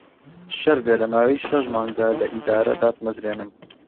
شەرت بێ لە ماوەی شەش مانگدا لە ئیدارە داتمەزرێنم